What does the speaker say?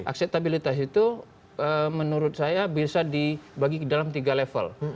akseptabilitas itu menurut saya bisa dibagi ke dalam tiga level